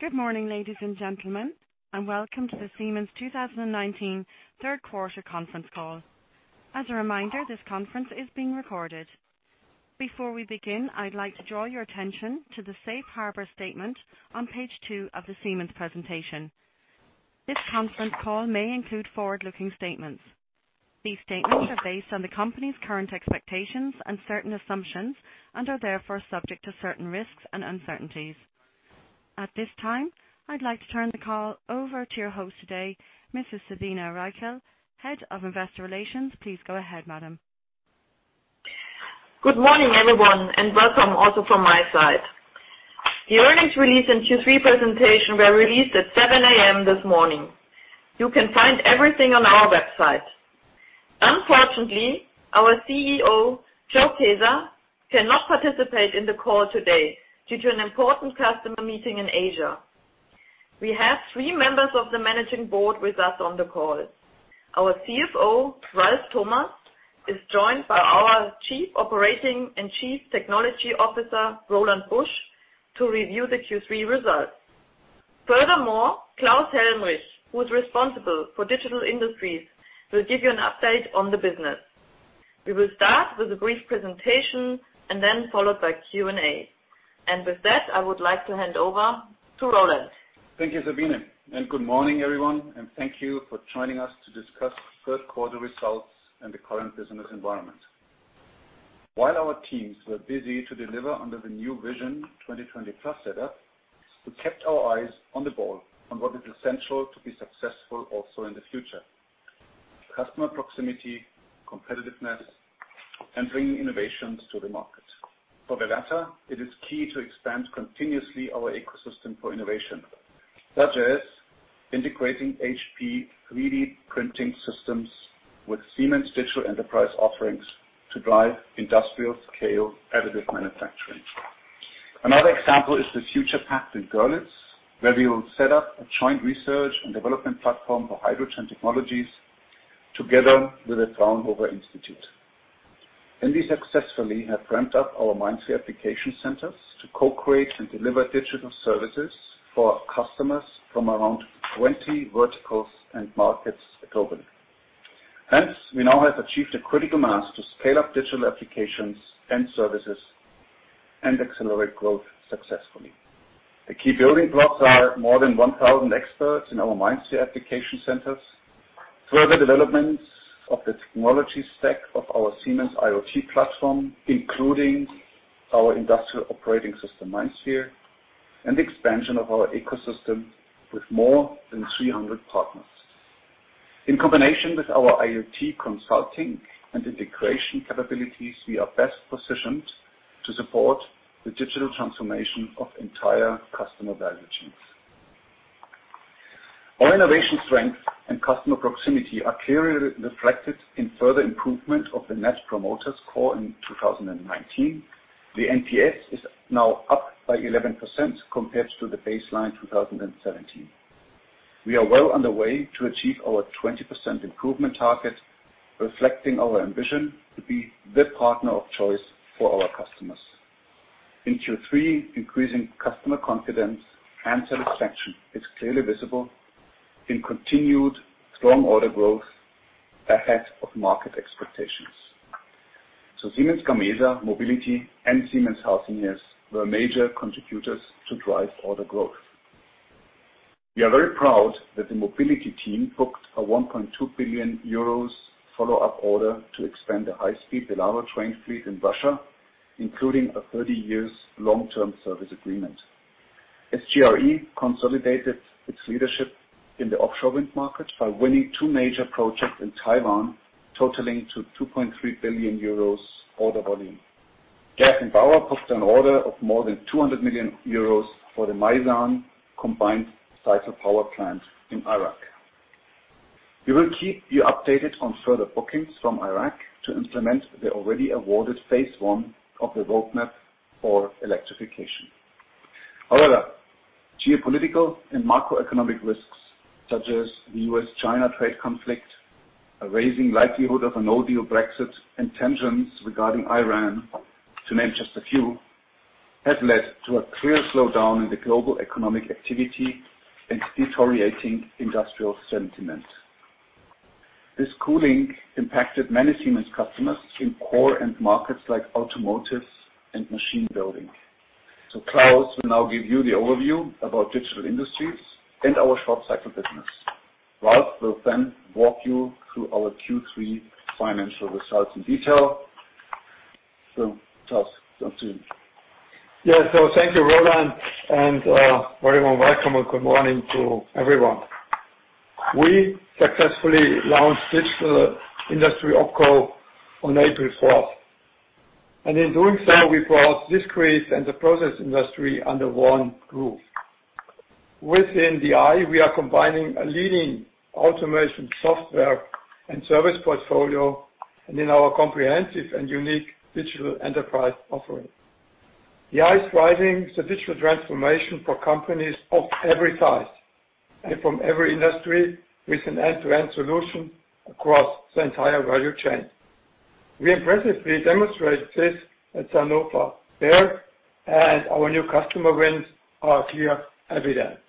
Good morning, ladies and gentlemen, and welcome to the Siemens 2019 third quarter conference call. As a reminder, this conference is being recorded. Before we begin, I'd like to draw your attention to the safe harbor statement on page two of the Siemens presentation. This conference call may include forward-looking statements. These statements are based on the company's current expectations and certain assumptions, and are therefore subject to certain risks and uncertainties. At this time, I'd like to turn the call over to your host today, Mrs. Sabine Reichel, Head of Investor Relations. Please go ahead, madam. Good morning, everyone, and welcome also from my side. The earnings release and Q3 presentation were released at 7:00 A.M. this morning. You can find everything on our website. Unfortunately, our CEO, Joe Kaeser, cannot participate in the call today due to an important customer meeting in Asia. We have three members of the managing board with us on the call. Our CFO, Ralf Thomas, is joined by our Chief Operating and Chief Technology Officer, Roland Busch, to review the Q3 results. Furthermore, Klaus Helmrich, who's responsible for Digital Industries, will give you an update on the business. We will start with a brief presentation and then followed by Q&A. With that, I would like to hand over to Roland. Thank you, Sabine, good morning, everyone, and thank you for joining us to discuss third quarter results and the current business environment. While our teams were busy to deliver under the new Vision 2020+ setup, we kept our eyes on the ball on what is essential to be successful also in the future: customer proximity, competitiveness, and bringing innovations to the market. For the latter, it is key to expand continuously our ecosystem for innovation, such as integrating HP 3D printing systems with Siemens' digital enterprise offerings to drive industrial scale additive manufacturing. Another example is the Future Pact in Görlitz, where we will set up a joint research and development platform for hydrogen technologies together with the Fraunhofer Institute. We successfully have ramped up our MindSphere Application Centers to co-create and deliver digital services for our customers from around 20 verticals and markets globally. Hence, we now have achieved a critical mass to scale up digital applications and services and accelerate growth successfully. The key building blocks are more than 1,000 experts in our MindSphere Application Centers, further developments of the technology stack of our Siemens IoT platform, including our industrial operating system, MindSphere, and expansion of our ecosystem with more than 300 partners. In combination with our IoT consulting and integration capabilities, we are best positioned to support the digital transformation of entire customer value chains. Our innovation strength and customer proximity are clearly reflected in further improvement of the net promoter score in 2019. The NPS is now up by 11% compared to the baseline 2017. We are well on the way to achieve our 20% improvement target, reflecting our ambition to be the partner of choice for our customers. In Q3, increasing customer confidence and satisfaction is clearly visible in continued strong order growth ahead of market expectations. Siemens Gamesa, Mobility, and Siemens Healthineers were major contributors to drive order growth. We are very proud that the Mobility team booked a 1.2 billion euros follow-up order to expand the high-speed Velaro train fleet in Russia, including a 30 years long-term service agreement. SGRE consolidated its leadership in the offshore wind market by winning two major projects in Taiwan, totaling to 2.3 billion euros order volume. Gas and Power booked an order of more than 200 million euros for the Maisan Combined Cycle Power Plant in Iraq. We will keep you updated on further bookings from Iraq to implement the already awarded phase 1 of the roadmap for electrification. However, geopolitical and macroeconomic risks such as the U.S.-China trade conflict, a rising likelihood of a no-deal Brexit, and tensions regarding Iran, to name just a few, have led to a clear slowdown in the global economic activity and deteriorating industrial sentiment. This cooling impacted many Siemens customers in core end markets like automotive and machine building. Klaus will now give you the overview about Digital Industries and our short cycle business. Ralf will walk you through our Q3 financial results in detail. Klaus, continue. Thank you, Roland, and a very warm welcome and good morning to everyone. We successfully launched Digital Industries OpCo on April 4th, and in doing so, we brought discrete and the process industry under one roof. Within DI, we are combining a leading automation software and service portfolio and in our comprehensive and unique digital enterprise offering. DI is driving the digital transformation for companies of every size and from every industry with an end-to-end solution across the entire value chain. We impressively demonstrate this at Hannover Messe, and our new customer wins are clear evident.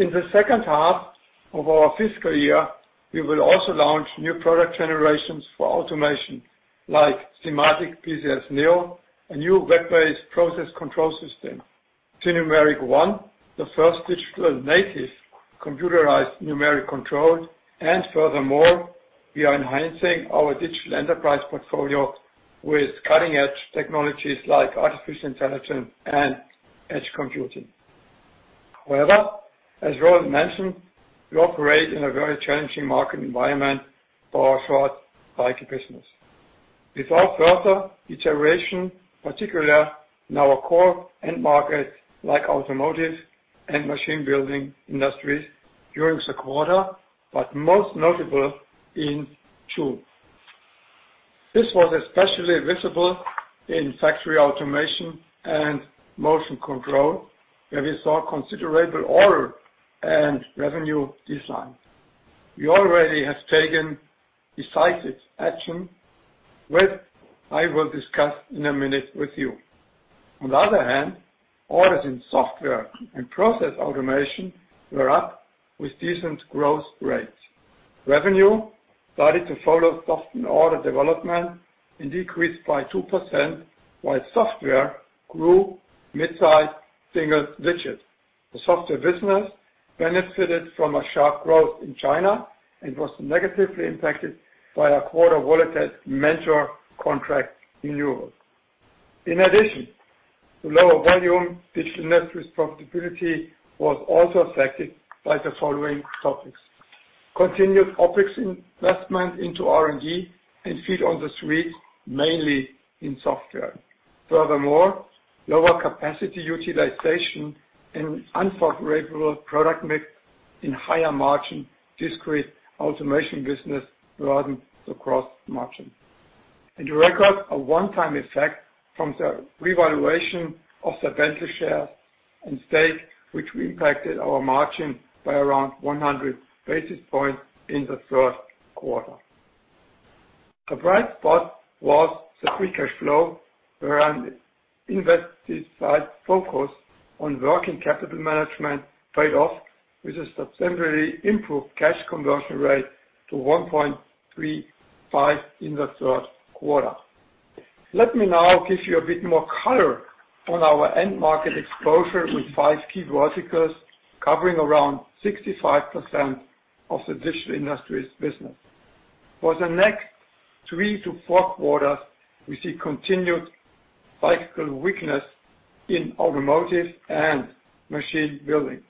In the second half of our fiscal year, we will also launch new product generations for automation like SIMATIC PCS neo, a new web-based process control system. SINUMERIK ONE, the first digital native computerized numeric control. Furthermore, we are enhancing our digital enterprise portfolio with cutting-edge technologies like artificial intelligence and edge computing. As Roland mentioned, we operate in a very challenging market environment for our hardware business. We saw further deterioration, particularly in our core end markets like automotive and machine building industries during the quarter, but most notable in June. This was especially visible in factory automation and motion control, where we saw considerable order and revenue decline. We already have taken decisive action, which I will discuss in a minute with you. Orders in software and process automation were up with decent growth rates. Revenue started to follow soft order development and decreased by 2%, while software grew mid-single digits. The software business benefited from a sharp growth in China and was negatively impacted by a quarter volatile major contract renewal. The lower volume Digital Industries profitability was also affected by the following topics. Continued OPEX investment into R&D and feet on the street, mainly in software. Lower capacity utilization and unfavorable product mix in higher margin discrete automation business broadened the gross margin. We record a one-time effect from the revaluation of the Bentley shares and stake, which impacted our margin by around 100 basis points in the first quarter. A bright spot was the free cash flow where an invested focus on working capital management paid off with a substantially improved cash conversion rate to 1.35 in the third quarter. Let me now give you a bit more color on our end market exposure with five key verticals covering around 65% of the Digital Industries business. For the next three to four quarters, we see continued cyclical weakness in automotive and machine building.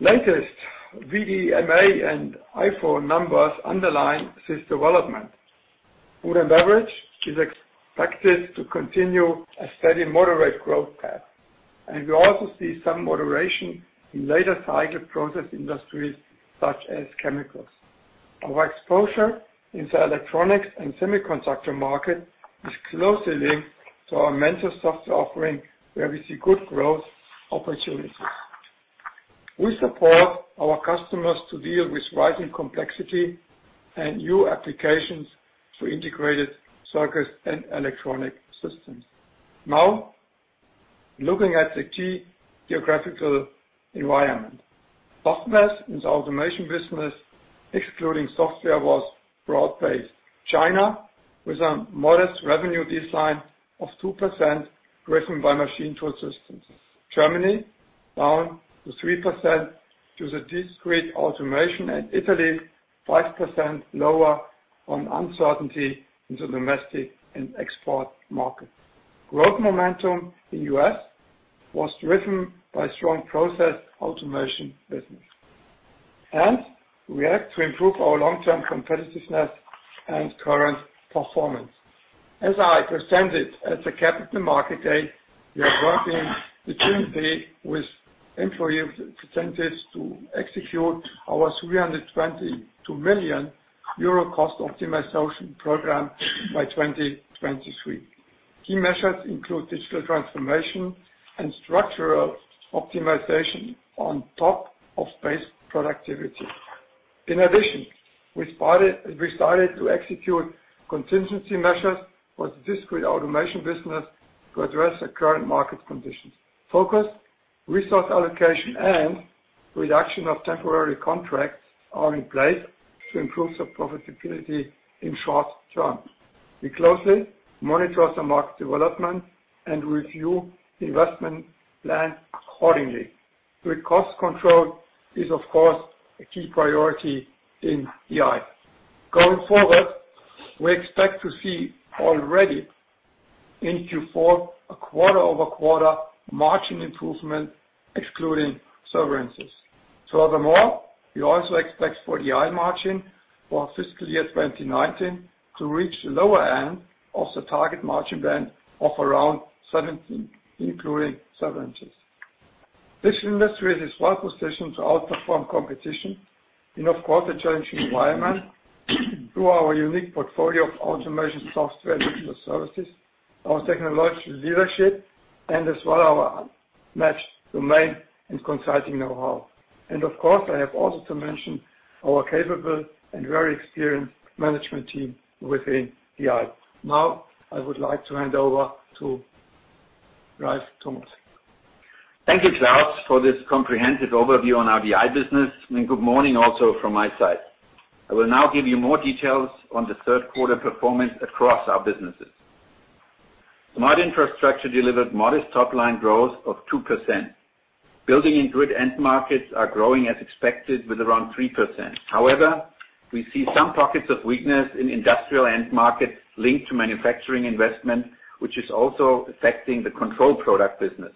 Latest VDMA and ifo numbers underline this development. Food and beverage is expected to continue a steady moderate growth path, and we also see some moderation in later cycle process industries such as chemicals. Our exposure in the electronics and semiconductor market is closely linked to our Mentor software offering, where we see good growth opportunities. We support our customers to deal with rising complexity and new applications through integrated circuits and electronic systems. Looking at the key geographical environment. Softness in the automation business, excluding software, was broad-based. China, with a modest revenue decline of 2%, driven by machine tool systems. Germany, down to 3% due to discrete automation. Italy 5% lower on uncertainty into domestic and export markets. Growth momentum in U.S. was driven by strong process automation business. We act to improve our long-term competitiveness and current performance. As I presented at the Capital Market Day, we are working diligently with employee representatives to execute our 322 million euro cost optimization program by 2023. Key measures include digital transformation and structural optimization on top of space productivity. In addition, we started to execute contingency measures for the discrete automation business to address the current market conditions. Focused resource allocation and reduction of temporary contracts are in place to improve the profitability in short-term. We closely monitor the market development and review investment plan accordingly. Strict cost control is of course a key priority in DI. Going forward, we expect to see already in Q4 a quarter-over-quarter margin improvement excluding severances. We also expect for DI margin for fiscal year 2019 to reach the lower end of the target margin band of around 17%, including severances. This industry is well-positioned to outperform competition in, of course, a changing environment through our unique portfolio of automation software and digital services, our technological leadership. Match domain and consulting know-how. Of course, I have also to mention our capable and very experienced management team within DI. I would like to hand over to Ralf Thomas. Thank you, Klaus, for this comprehensive overview on our DI business, and good morning also from my side. I will now give you more details on the third quarter performance across our businesses. Smart Infrastructure delivered modest top-line growth of 2%. Building and grid end markets are growing as expected with around 3%. However, we see some pockets of weakness in industrial end markets linked to manufacturing investment, which is also affecting the control product business.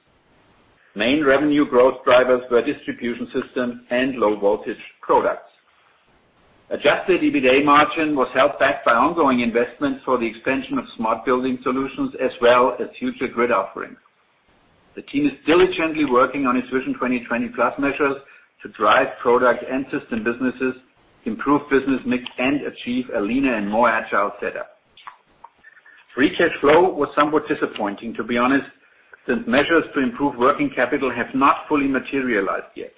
Main revenue growth drivers were distribution system and low voltage products. Adjusted EBITA margin was held back by ongoing investments for the expansion of smart building solutions as well as future grid offerings. The team is diligently working on its Vision 2020+ measures to drive product and system businesses, improve business mix, and achieve a leaner and more agile setup. Free cash flow was somewhat disappointing, to be honest, since measures to improve working capital have not fully materialized yet.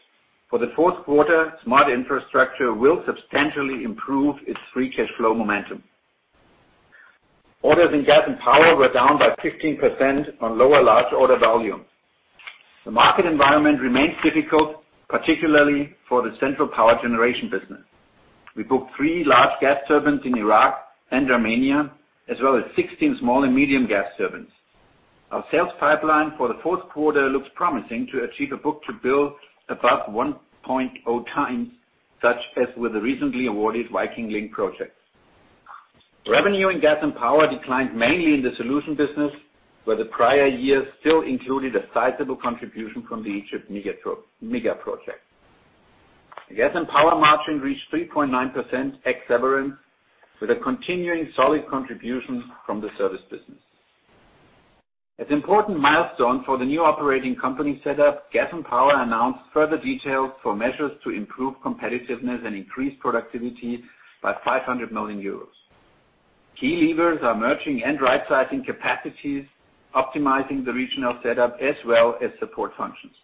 For the fourth quarter, Smart Infrastructure will substantially improve its free cash flow momentum. Orders in Gas and Power were down by 15% on lower large order volume. The market environment remains difficult, particularly for the central power generation business. We booked three large gas turbines in Iraq and Romania, as well as 16 small and medium gas turbines. Our sales pipeline for the fourth quarter looks promising to achieve a book to bill above 1.0 times, such as with the recently awarded Viking Link project. Revenue in Gas and Power declined mainly in the solution business, where the prior year still included a sizable contribution from the Egypt mega project. The Gas and Power margin reached 3.9% ex severance, with a continuing solid contribution from the service business. As important milestone for the new operating company setup, Gas and Power announced further details for measures to improve competitiveness and increase productivity by 500 million euros. Key levers are merging and rightsizing capacities, optimizing the regional setup as well as support functions.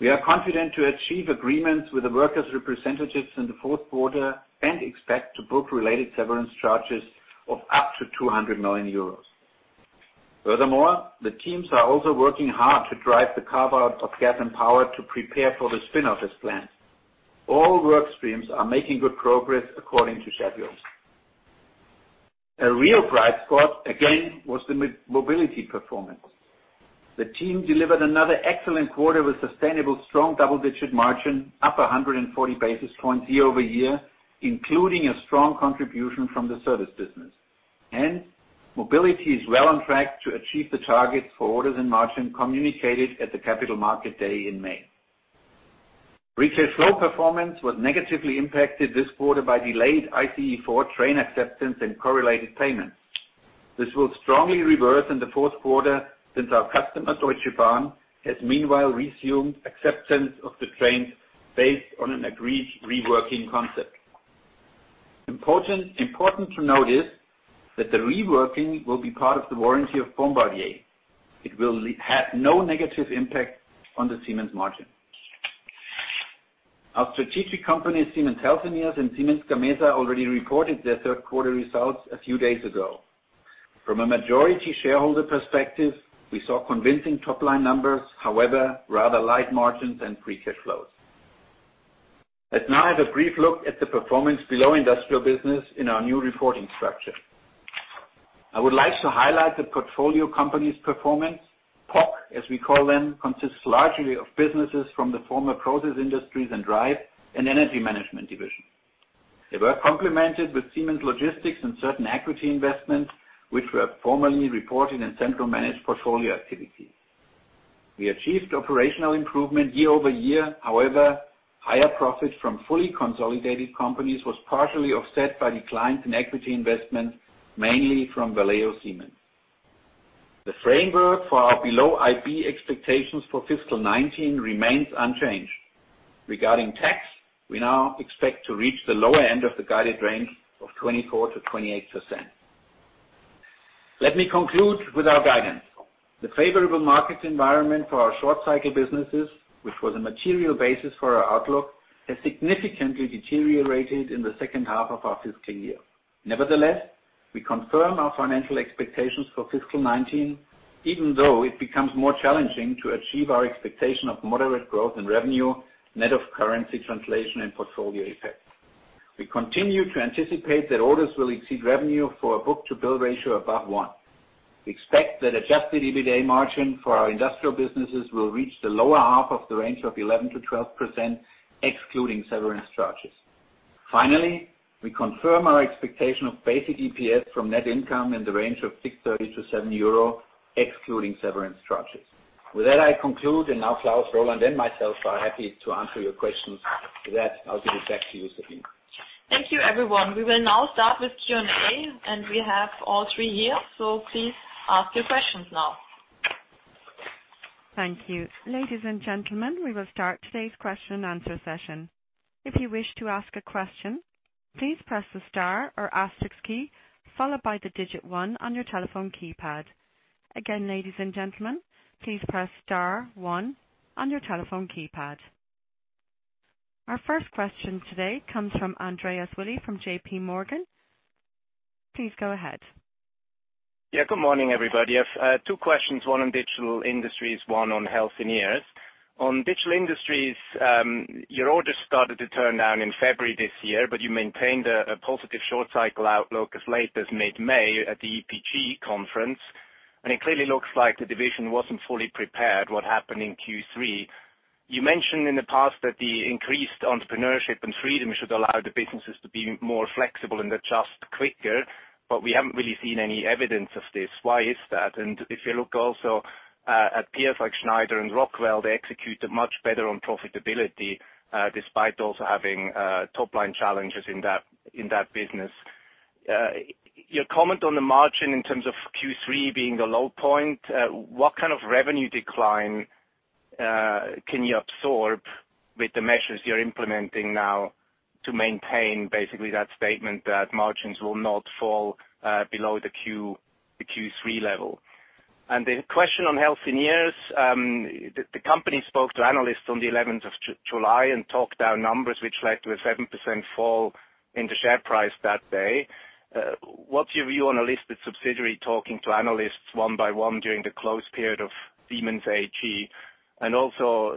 We are confident to achieve agreements with the workers' representatives in the fourth quarter, and expect to book related severance charges of up to 200 million euros. Furthermore, the teams are also working hard to drive the carve out of Gas and Power to prepare for the spin-off as planned. All work streams are making good progress according to schedules. A real bright spot, again, was the Mobility performance. The team delivered another excellent quarter with sustainable strong double-digit margin, up 140 basis points year-over-year, including a strong contribution from the service business. Mobility is well on track to achieve the targets for orders and margin communicated at the Capital Market Day in May. Free cash flow performance was negatively impacted this quarter by delayed ICE 4 train acceptance and correlated payments. This will strongly reverse in the fourth quarter since our customer, Deutsche Bahn, has meanwhile resumed acceptance of the trains based on an agreed reworking concept. Important to note is, that the reworking will be part of the warranty of Bombardier. It will have no negative impact on the Siemens margin. Our strategic companies, Siemens Healthineers and Siemens Gamesa, already reported their third quarter results a few days ago. From a majority shareholder perspective, we saw convincing top-line numbers, however, rather light margins and free cash flows. Let's now have a brief look at the performance below industrial business in our new reporting structure. I would like to highlight the Portfolio Companies' performance. POC, as we call them, consists largely of businesses from the former Process Industries and Drives and Energy Management division. They were complemented with Siemens Logistics and certain equity investments, which were formerly reported in central managed portfolio activities. We achieved operational improvement year-over-year. However, higher profit from fully consolidated companies was partially offset by declines in equity investment, mainly from Valeo Siemens. The framework for our below IB expectations for fiscal 2019 remains unchanged. Regarding tax, we now expect to reach the lower end of the guided range of 24%-28%. Let me conclude with our guidance. The favorable market environment for our short cycle businesses, which was a material basis for our outlook, has significantly deteriorated in the second half of our fiscal year. Nevertheless, we confirm our financial expectations for fiscal 2019, even though it becomes more challenging to achieve our expectation of moderate growth in revenue, net of currency translation and portfolio effects. We continue to anticipate that orders will exceed revenue for a book to bill ratio above one. We expect that adjusted EBITA margin for our industrial businesses will reach the lower half of the range of 11%-12%, excluding severance charges. Finally, we confirm our expectation of basic EPS from net income in the range of 6.30 to 7 euro, excluding severance charges. With that, I conclude, and now Klaus, Roland, and myself are happy to answer your questions. For that, I'll give it back to you, Sabine. Thank you, everyone. We will now start with Q&A, and we have all three here, so please ask your questions now. Thank you. Ladies and gentlemen, we will start today's question and answer session. If you wish to ask a question, please press the star or asterisk key followed by the digit 1 on your telephone keypad. Again, ladies and gentlemen, please press star one on your telephone keypad. Our first question today comes from Andreas Willi from J.P. Morgan. Please go ahead. Yeah. Good morning, everybody. I've two questions, one on Digital Industries, one on Healthineers. On Digital Industries, your orders started to turn down in February this year, but you maintained a positive short cycle outlook as late as mid-May at the EPG conference. It clearly looks like the division wasn't fully prepared what happened in Q3. You mentioned in the past that the increased entrepreneurship and freedom should allow the businesses to be more flexible and adjust quicker. We haven't really seen any evidence of this. Why is that? If you look also, at peers like Schneider and Rockwell, they executed much better on profitability, despite also having top-line challenges in that business. Your comment on the margin in terms of Q3 being the low point, what kind of revenue decline can you absorb with the measures you're implementing now to maintain basically that statement that margins will not fall below the Q3 level? The question on Healthineers, the company spoke to analysts on the 11th of July and talked our numbers which led to a 7% fall in the share price that day. Also,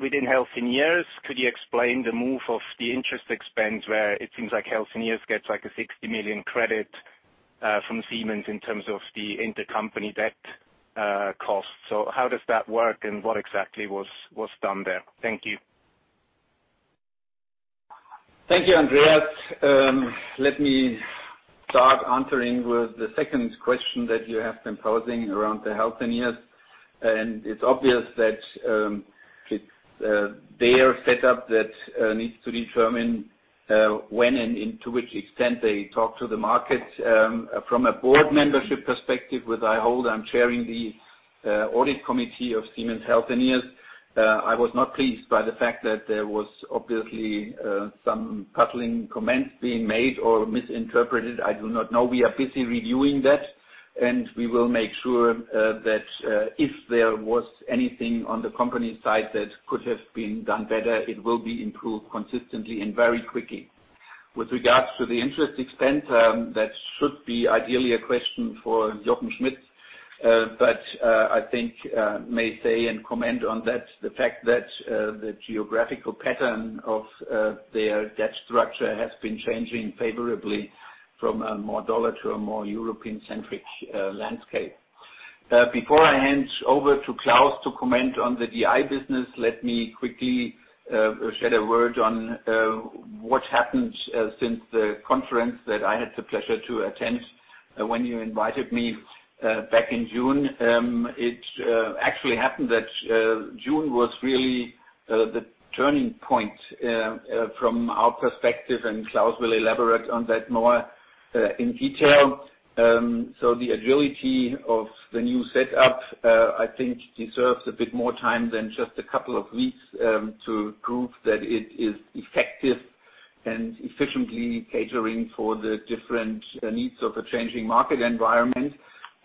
within Healthineers, could you explain the move of the interest expense where it seems like Healthineers gets like a 60 million credit from Siemens in terms of the intercompany debt cost? How does that work and what exactly was done there? Thank you. Thank you, Andreas. Let me start answering with the second question that you have been posing around the Healthineers. It's obvious that it's their setup that needs to determine when and into which extent they talk to the market. From a board membership perspective, which I hold, I'm chairing the audit committee of Siemens Healthineers. I was not pleased by the fact that there was obviously some puzzling comments being made or misinterpreted. I do not know. We are busy reviewing that, and we will make sure that if there was anything on the company side that could have been done better, it will be improved consistently and very quickly. With regards to the interest expense, that should be ideally a question for Jochen Schmitz, but I think may say and comment on that the fact that the geographical pattern of their debt structure has been changing favorably from a more dollar to a more European-centric landscape. Before I hand over to Klaus to comment on the DI business, let me quickly shed a word on what happened since the conference that I had the pleasure to attend when you invited me back in June. It actually happened that June was really the turning point from our perspective, and Klaus will elaborate on that more in detail. The agility of the new setup, I think deserves a bit more time than just a couple of weeks to prove that it is effective and efficiently catering for the different needs of a changing market environment.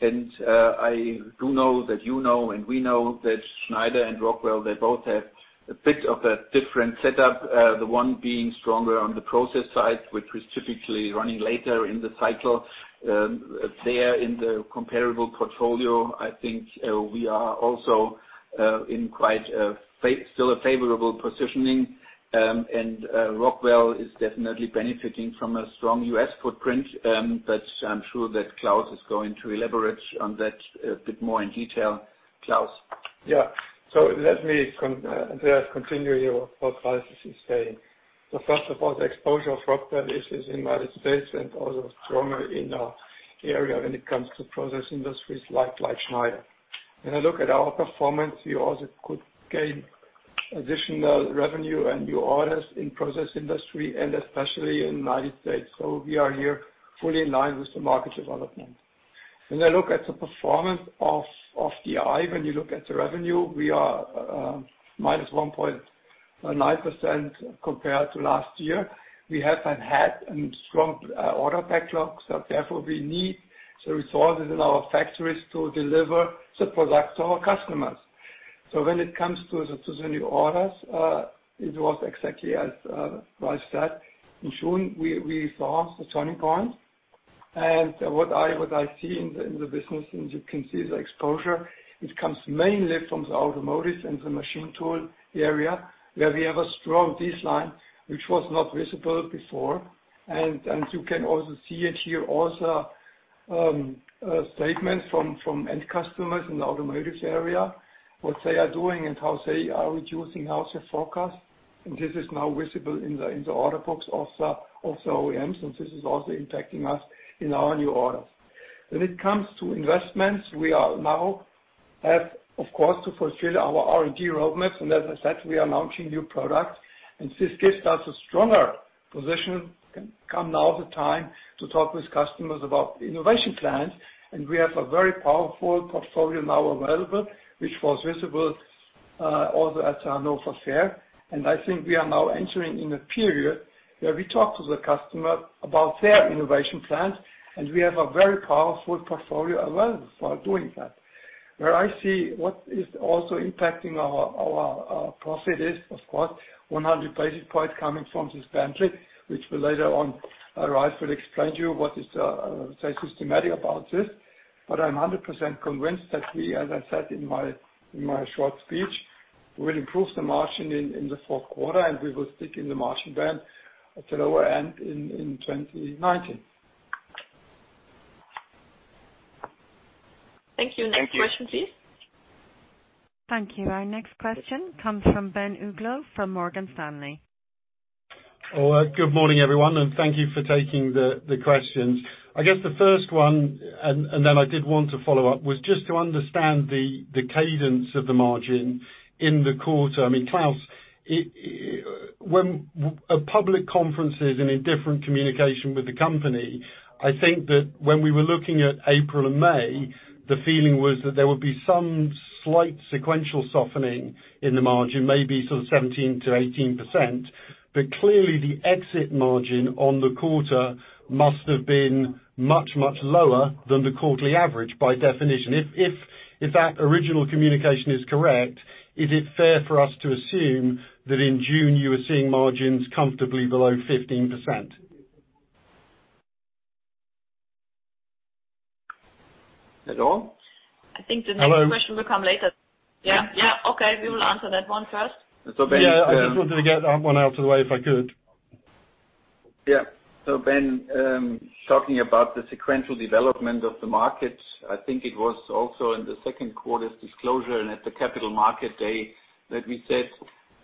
I do know that you know and we know that Schneider and Rockwell, they both have a bit of a different setup, the one being stronger on the process side, which was typically running later in the cycle. There in the comparable portfolio, I think we are also in quite still a favorable positioning, and Rockwell is definitely benefiting from a strong U.S. footprint, but I'm sure that Klaus is going to elaborate on that a bit more in detail. Klaus. Yeah. Let me, Andreas, continue here what Ralf is saying. First of all, the exposure of Rockwell is in the U.S. and also stronger in our area when it comes to process industries like Schneider. When I look at our performance, we also could gain additional revenue and new orders in process industry and especially in the U.S. We are here fully in line with the market development. When I look at the performance of DI, when you look at the revenue, we are -1.9% compared to last year. We haven't had any strong order backlogs, so therefore, we need the resources in our factories to deliver the product to our customers. When it comes to the new orders, it was exactly as Ralf said. In June, we saw the turning point. What I see in the business, and you can see the exposure, it comes mainly from the automotives and the machine tool area, where we have a strong decline, which was not visible before. You can also see it here also, statements from end customers in the automotives area, what they are doing and how they are reducing out their forecast, and this is now visible in the order books of the OEMs, and this is also impacting us in our new orders. When it comes to investments, we are now have, of course, to fulfill our R&D roadmaps. As I said, we are launching new products, and this gives us a stronger Position come now the time to talk with customers about innovation plans, and we have a very powerful portfolio now available, which was visible, also at Hannover Messe. I think we are now entering in a period where we talk to the customer about their innovation plans, and we have a very powerful portfolio available for doing that. Where I see what is also impacting our profit is, of course, 100 basis points coming from this Bentley, which will later on, Ralf will explain to you what is so systematic about this. I'm 100% convinced that we, as I said in my short speech, will improve the margin in the fourth quarter and we will stick in the margin band at the lower end in 2019. Thank you. Next question, please. Thank you. Our next question comes from Ben Uglow from Morgan Stanley. Good morning, everyone, thank you for taking the questions. I guess the first one, then I did want to follow up, was just to understand the cadence of the margin in the quarter. I mean Klaus, when a public conference is in a different communication with the company, I think that when we were looking at April and May, the feeling was that there would be some slight sequential softening in the margin, maybe sort of 17%-18%. Clearly the exit margin on the quarter must have been much, much lower than the quarterly average by definition. If that original communication is correct, is it fair for us to assume that in June you were seeing margins comfortably below 15%? Hello? I think the next question will come later. Yeah, okay. We will answer that one first. Yeah, I just wanted to get that one out of the way if I could. Yeah. Ben, talking about the sequential development of the market, I think it was also in the second quarter's disclosure and at the Capital Market Day that we said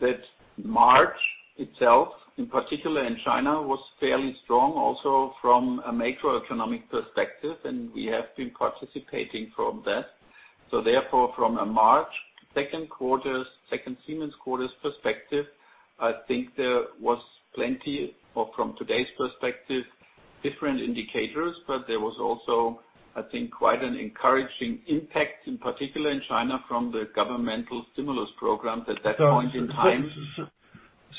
that March itself, in particular in China, was fairly strong, also from a macroeconomic perspective, and we have been participating from that. Therefore, from a March second Siemens quarter's perspective, I think there was plenty of, from today's perspective, different indicators, but there was also, I think, quite an encouraging impact, in particular in China from the governmental stimulus programs at that point in time.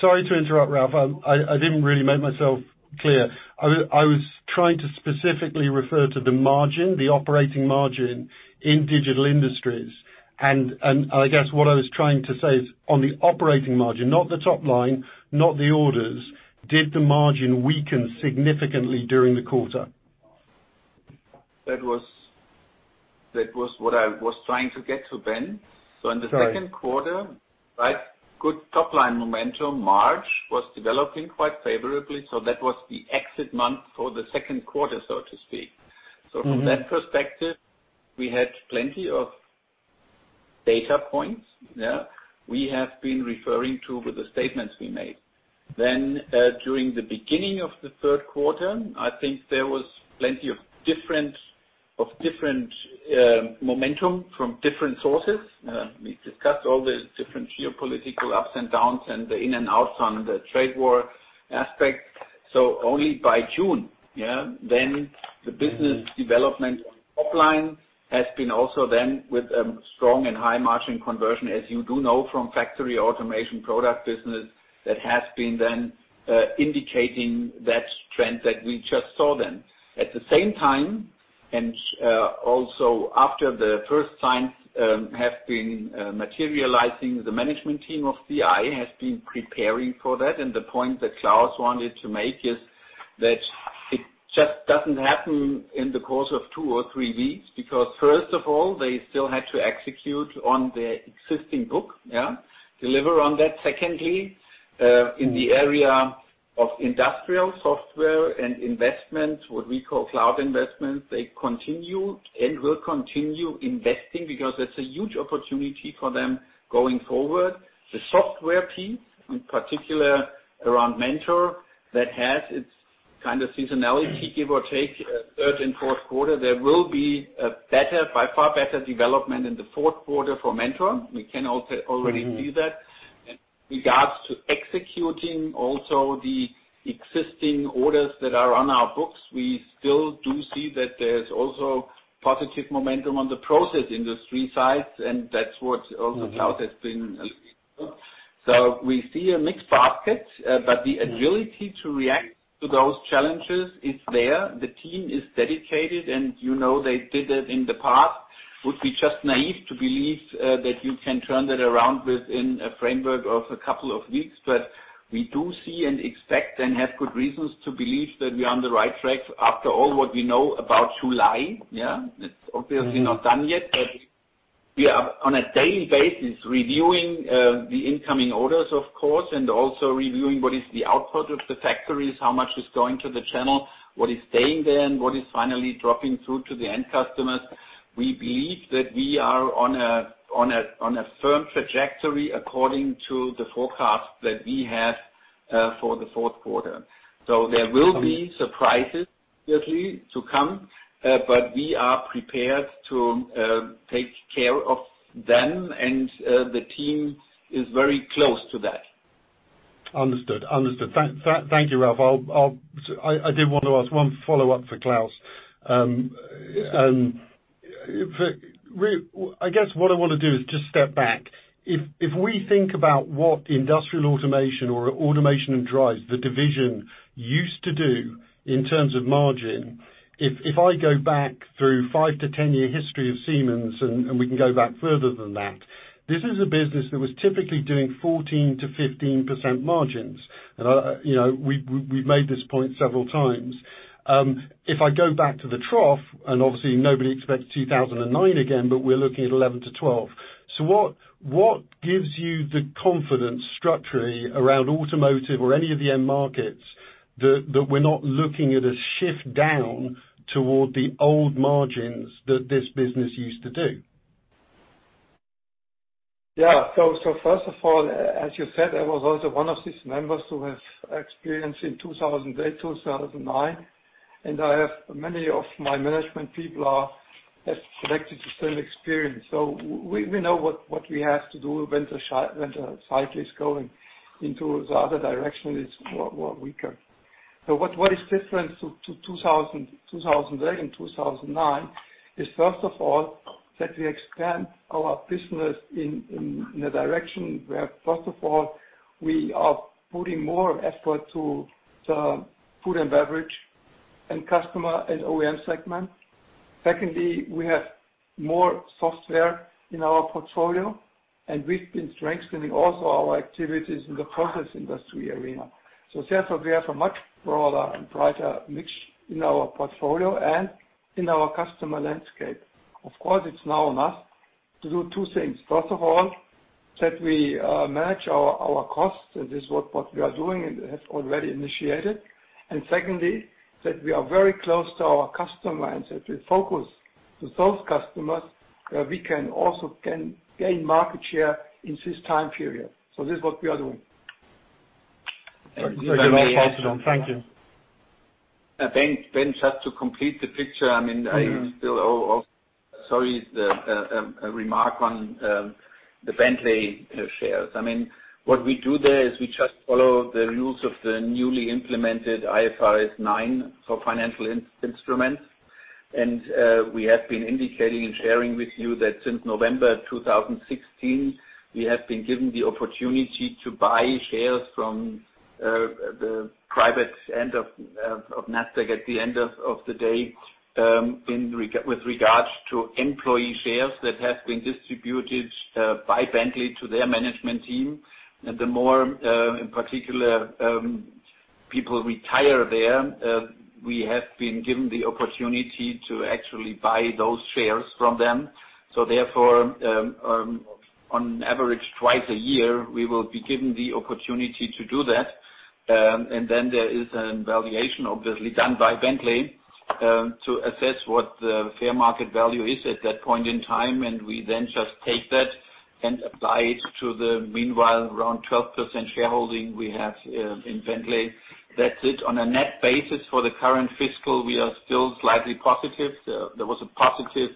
Sorry to interrupt, Ralf. I didn't really make myself clear. I was trying to specifically refer to the margin, the operating margin in Digital Industries. I guess what I was trying to say is on the operating margin, not the top line, not the orders, did the margin weaken significantly during the quarter? That was what I was trying to get to, Ben. Sorry. In the second quarter, good top-line momentum. March was developing quite favorably, that was the exit month for the second quarter, so to speak. From that perspective, we had plenty of data points there we have been referring to with the statements we made. During the beginning of the third quarter, I think there was plenty of different momentum from different sources. We discussed all the different geopolitical ups and downs and the in and outs on the trade war aspect. Only by June, then the business development top line has been also then with a strong and high margin conversion, as you do know from factory automation product business, that has been then indicating that trend that we just saw then. At the same time, and also after the first signs have been materializing, the management team of DI has been preparing for that. The point that Klaus wanted to make is that it just doesn't happen in the course of two or three weeks, because first of all, they still had to execute on the existing book. Deliver on that. Secondly, in the area of industrial software and investment, what we call cloud investment, they continue and will continue investing because that's a huge opportunity for them going forward. The software piece, in particular around Mentor, that has its seasonality, give or take, third and fourth quarter. There will be a better, by far better development in the fourth quarter for Mentor. We can already see that. In regards to executing also the existing orders that are on our books, we still do see that there's also positive momentum on the process industry side, and that's what also Klaus has been alluding to. We see a mixed basket, but the agility to react to those challenges is there. The team is dedicated, and you know they did it in the past. It would be just naive to believe that you can turn that around within a framework of a couple of weeks. We do see and expect and have good reasons to believe that we are on the right track after all what we know about July. It is obviously not done yet, but we are on a daily basis reviewing the incoming orders, of course, and also reviewing what is the output of the factories, how much is going to the channel, what is staying there, and what is finally dropping through to the end customers. We believe that we are on a firm trajectory according to the forecast that we have for the fourth quarter. There will be surprises obviously to come, but we are prepared to take care of them, and the team is very close to that. Understood. Thank you, Ralf. I did want to ask one follow-up for Klaus. I guess what I want to do is just step back. If we think about what industrial automation or automation and drives, the division, used to do in terms of margin, if I go back through 5-10-year history of Siemens, and we can go back further than that, this is a business that was typically doing 14%-15% margins. We've made this point several times. If I go back to the trough, and obviously nobody expects 2009 again, but we're looking at 11%-12%. What gives you the confidence structurally around automotive or any of the end markets that we're not looking at a shift down toward the old margins that this business used to do? Yeah. First of all, as you said, I was also one of these members who have experience in 2008, 2009, and many of my management people have selected the same experience. We know what we have to do when the cycle is going into the other direction, it's weaker. What is different to 2008 and 2009 is first of all, that we expand our business in a direction where first of all, we are putting more effort to the food and beverage and customer and OEM segment. Secondly, we have more software in our portfolio, and we've been strengthening also our activities in the process industry arena. Therefore, we have a much broader and brighter mix in our portfolio and in our customer landscape. Of course, it's now on us to do two things. First of all, that we manage our costs, and this is what we are doing, and it has already initiated. Secondly, that we are very close to our customers, that we focus to those customers, we can also gain market share in this time period. This is what we are doing. Very well answered on. Thank you. Ben, just to complete the picture, I mean, I still owe sorry, a remark on the Bentley shares. What we do there is we just follow the rules of the newly implemented IFRS 9 for financial instruments. We have been indicating and sharing with you that since November 2016, we have been given the opportunity to buy shares from the private end of Nasdaq at the end of the day with regards to employee shares that have been distributed by Bentley to their management team. The more, in particular, people retire there, we have been given the opportunity to actually buy those shares from them. Therefore, on average twice a year, we will be given the opportunity to do that. There is a valuation obviously done by Bentley, to assess what the fair market value is at that point in time, and we then just take that and apply it to the meanwhile around 12% shareholding we have in Bentley. That's it. On a net basis for the current fiscal, we are still slightly positive. There was a positive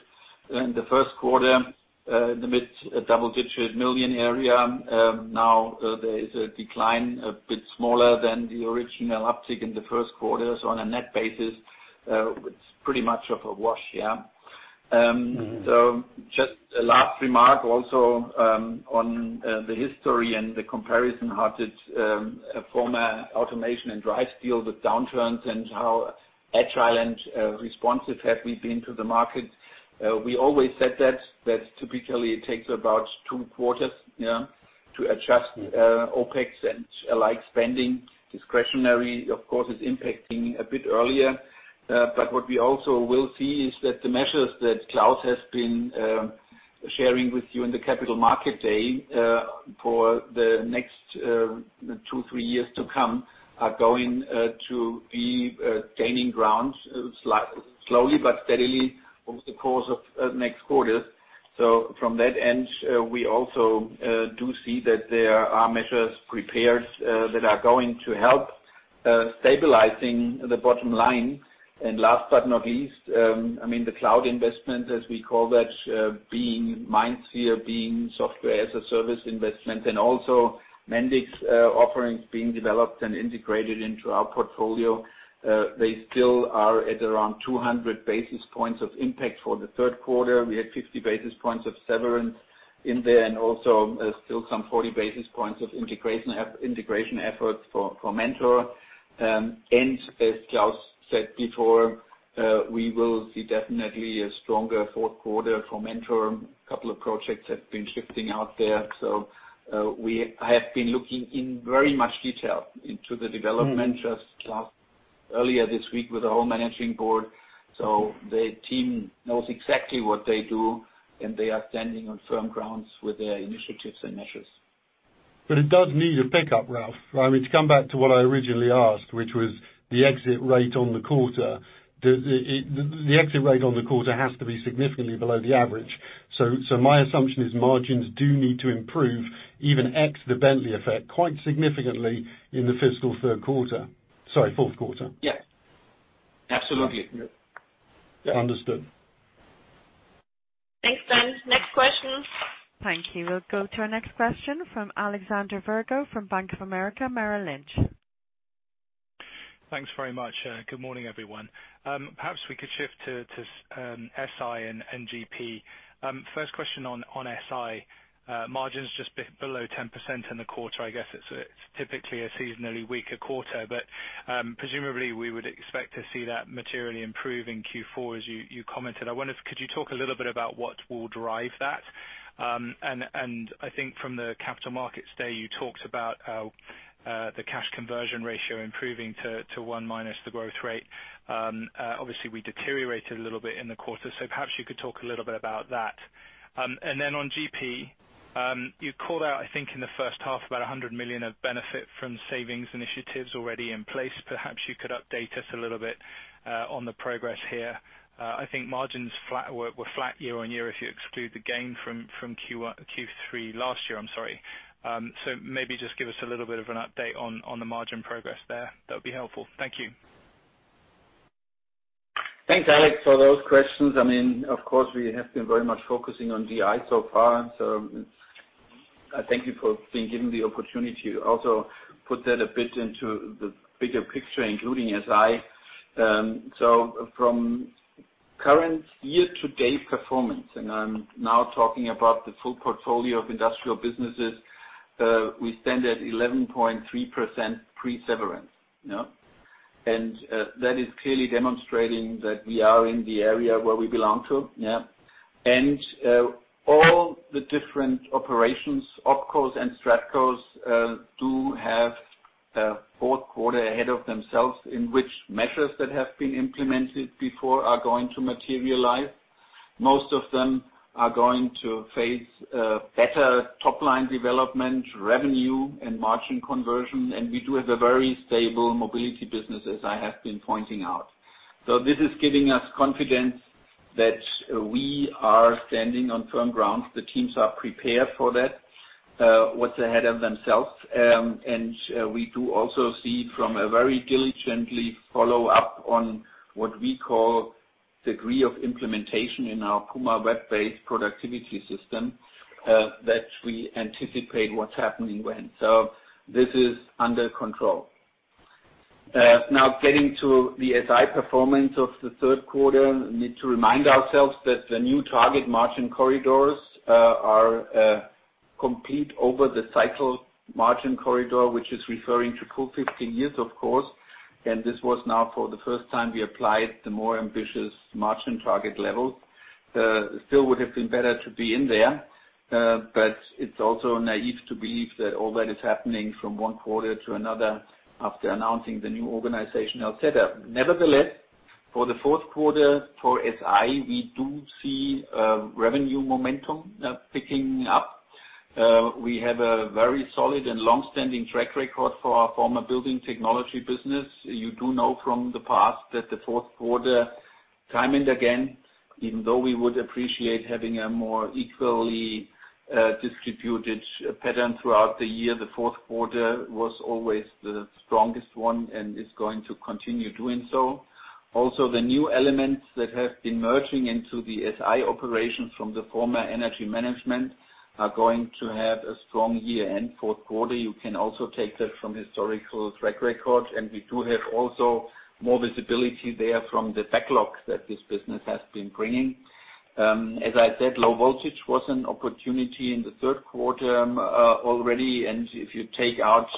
in the first quarter, in the mid double-digit million area. There is a decline a bit smaller than the original uptick in the first quarter. On a net basis, it's pretty much of a wash. Yeah. Just a last remark also on the history and the comparison, how did former Process Industries and Drives deal with downturns and how agile and responsive have we been to the market? We always said that typically it takes about two quarters to adjust OPEX and like spending. Discretionary, of course, is impacting a bit earlier. What we also will see is that the measures that Klaus has been sharing with you in the Capital Market Day for the next two, three years to come are going to be gaining ground slowly but steadily over the course of next quarters. From that end, we also do see that there are measures prepared that are going to help stabilizing the bottom line. Last but not least, the cloud investment, as we call that, being MindSphere, being software-as-a-service investment, and also Mendix offerings being developed and integrated into our portfolio. They still are at around 200 basis points of impact for the third quarter. We had 50 basis points of severance in there and also still some 40 basis points of integration efforts for Mentor. As Klaus said before, we will see definitely a stronger fourth quarter for Mentor. A couple of projects have been shifting out there. I have been looking in very much detail into the development just last earlier this week with our whole Managing Board. The team knows exactly what they do, and they are standing on firm grounds with their initiatives and measures. It does need a pickup, Ralf, right? I mean, to come back to what I originally asked, which was the exit rate on the quarter. The exit rate on the quarter has to be significantly below the average. My assumption is margins do need to improve even ex the Bentley effect quite significantly in the fiscal third quarter. Sorry, fourth quarter. Yeah. Absolutely. Understood. Thanks, Ben. Next question. Thank you. We'll go to our next question from Alexander Virgo from Bank of America Merrill Lynch. Thanks very much. Good morning, everyone. Perhaps we could shift to SI and GP. First question on SI. Margins just below 10% in the quarter. I guess it's typically a seasonally weaker quarter. Presumably we would expect to see that materially improve in Q4, as you commented. I wonder, could you talk a little bit about what will drive that? I think from the Capital Market Day, you talked about the cash conversion ratio improving to one minus the growth rate. Obviously, we deteriorated a little bit in the quarter. Perhaps you could talk a little bit about that. Then on GP, you called out, I think in the first half, about 100 million of benefit from savings initiatives already in place. Perhaps you could update us a little bit on the progress here. I think margins were flat year-over-year if you exclude the gain from Q3 last year. Maybe just give us a little bit of an update on the margin progress there. That'd be helpful. Thank you. Thanks, Alex, for those questions. We have been very much focusing on GP so far. I thank you for giving the opportunity to also put that a bit into the bigger picture, including SI. From current year-to-date performance, I am now talking about the full portfolio of industrial businesses, we stand at 11.3% pre-severance. That is clearly demonstrating that we are in the area where we belong to. All the different operations, Opcos and Stratcos, do have a fourth quarter ahead of themselves in which measures that have been implemented before are going to materialize. Most of them are going to face better top-line development revenue and margin conversion. We do have a very stable Mobility business, as I have been pointing out. This is giving us confidence that we are standing on firm ground. The teams are prepared for that, what's ahead of themselves. We do also see from a very diligently follow up on what we call degree of implementation in our Puma web-based productivity system, that we anticipate what's happening when. This is under control. Now getting to the SI performance of the third quarter, we need to remind ourselves that the new target margin corridors are complete over the cycle margin corridor, which is referring to full 15 years, of course. This was now for the first time we applied the more ambitious margin target levels. Still would have been better to be in there, it's also naive to believe that all that is happening from one quarter to another after announcing the new organizational setup. Nevertheless, for the fourth quarter for SI, we do see revenue momentum picking up. We have a very solid and long-standing track record for our former building technology business. You do know from the past that the fourth quarter time and again, even though we would appreciate having a more equally distributed pattern throughout the year, the fourth quarter was always the strongest one and is going to continue doing so. The new elements that have been merging into the SI operations from the former Energy Management are going to have a strong year-end fourth quarter. You can also take that from historical track record, and we do have also more visibility there from the backlog that this business has been bringing. As I said, low voltage was an opportunity in the third quarter already, and if you take out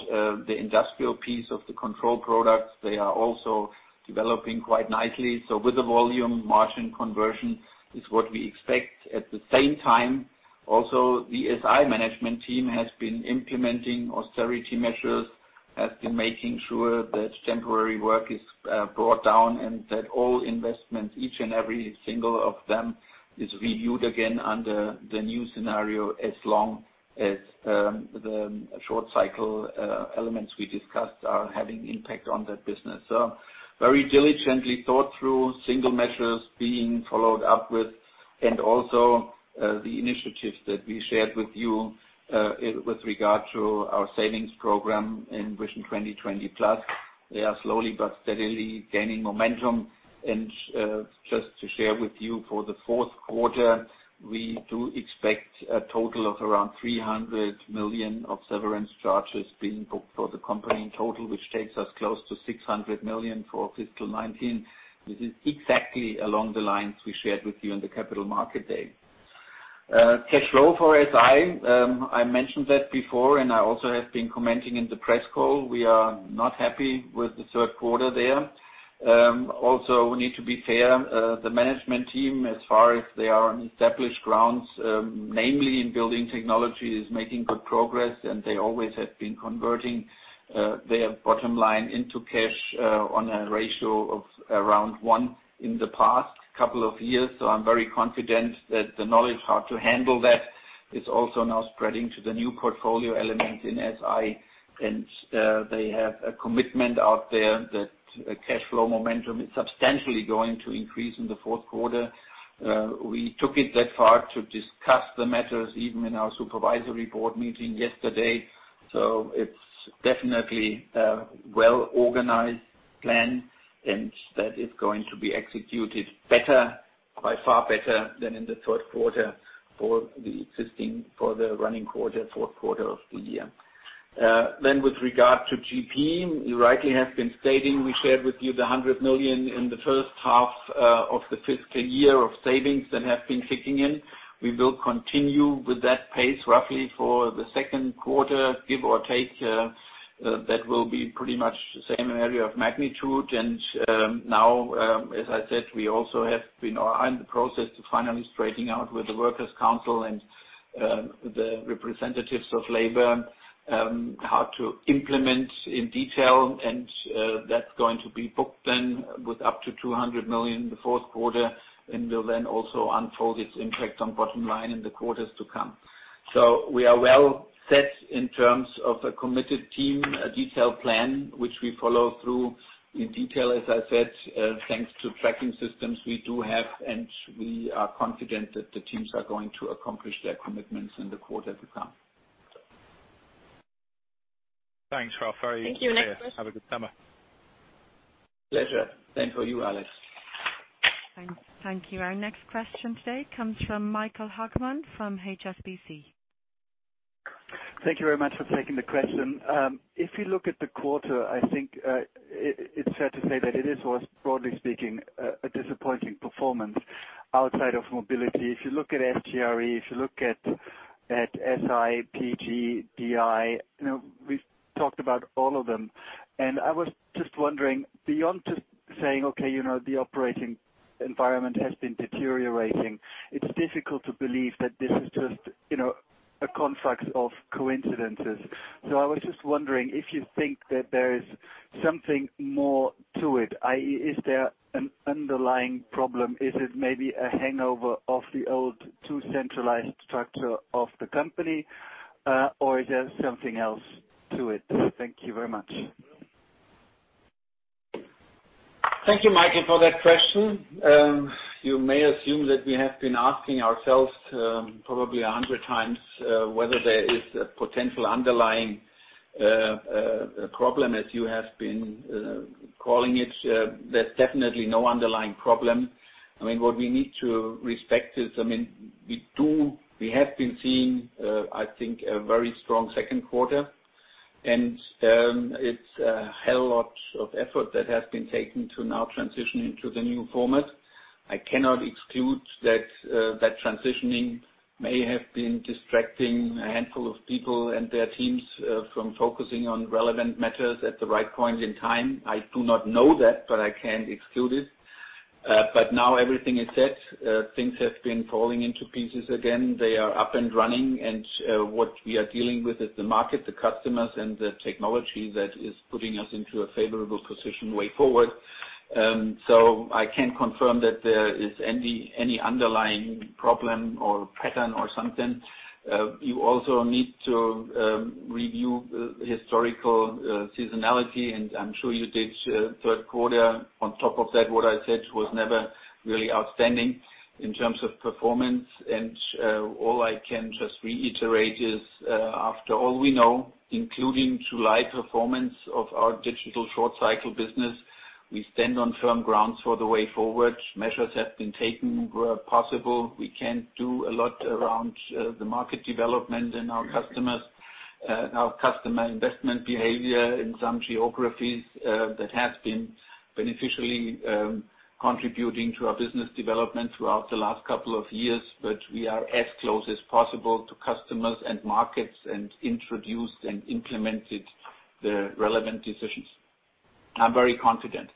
the industrial piece of the control products, they are also developing quite nicely. With the volume, margin conversion is what we expect. At the same time, also, the SI management team has been implementing austerity measures, has been making sure that temporary work is brought down and that all investments, each and every single of them, is reviewed again under the new scenario as long as the short cycle elements we discussed are having impact on that business. Very diligently thought through, single measures being followed up with, and also the initiatives that we shared with you with regard to our savings program in Vision 2020+. They are slowly but steadily gaining momentum. Just to share with you for the fourth quarter, we do expect a total of around 300 million of severance charges being booked for the company in total, which takes us close to 600 million for fiscal 2019. This is exactly along the lines we shared with you on the Capital Market Day. Cash flow for SI. I mentioned that before, and I also have been commenting in the press call. We are not happy with the third quarter there. We need to be fair. The management team, as far as they are on established grounds, namely in building technology, is making good progress, and they always have been converting their bottom line into cash on a ratio of around one in the past couple of years. I'm very confident that the knowledge how to handle that is also now spreading to the new portfolio element in SI. They have a commitment out there that cash flow momentum is substantially going to increase in the fourth quarter. We took it that far to discuss the matters even in our supervisory board meeting yesterday. It's definitely well organized plan and that is going to be executed better, by far better than in the third quarter for the existing, for the running quarter, fourth quarter of the year. With regard to GP, you rightly have been stating, we shared with you the 100 million in the first half of the fiscal year of savings that have been kicking in. We will continue with that pace roughly for the second quarter, give or take. That will be pretty much the same area of magnitude. Now, as I said, we also are in the process of finally straightening out with the workers' council and the representatives of labor, how to implement in detail, and that's going to be booked then with up to 200 million in the fourth quarter and will then also unfold its impact on bottom line in the quarters to come. We are well set in terms of a committed team, a detailed plan, which we follow through in detail, as I said, thanks to tracking systems we do have, and we are confident that the teams are going to accomplish their commitments in the quarter to come. Thanks, Ralf. Very clear. Thank you. Next question. Have a good summer. Pleasure. Same for you, Alex. Thanks. Thank you. Our next question today comes from Michael Hagmann from HSBC. Thank you very much for taking the question. If you look at the quarter, I think, it is, broadly speaking, a disappointing performance outside of Mobility. If you look at SGRE, if you look at SIPGDI, we've talked about all of them. I was just wondering, beyond just saying, okay, the operating environment has been deteriorating, it's difficult to believe that this is just a construct of coincidences. I was just wondering if you think that there is something more to it, i.e., is there an underlying problem? Is it maybe a hangover of the old too centralized structure of the company? Is there something else to it? Thank you very much. Thank you, Michael, for that question. You may assume that we have been asking ourselves probably 100 times whether there is a potential underlying problem, as you have been calling it. There's definitely no underlying problem. I mean, what we need to respect is, we have been seeing, I think, a very strong second quarter, and it's a hell lot of effort that has been taken to now transition into the new format. I cannot exclude that that transitioning may have been distracting a handful of people and their teams from focusing on relevant matters at the right point in time. I do not know that, but I can't exclude it. Now everything is set. Things have been falling into pieces again. They are up and running, what we are dealing with is the market, the customers, and the technology that is putting us into a favorable position way forward. I can't confirm that there is any underlying problem or pattern or something. You also need to review historical seasonality, and I'm sure you did. Third quarter, on top of that, what I said, was never really outstanding in terms of performance. All I can just reiterate is, after all we know, including July performance of our digital short cycle business, we stand on firm grounds for the way forward. Measures have been taken where possible. We can't do a lot around the market development and our customer investment behavior in some geographies that has been beneficially contributing to our business development throughout the last couple of years. We are as close as possible to customers and markets and introduced and implemented the relevant decisions. I'm very confident.